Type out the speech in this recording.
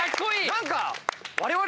何か。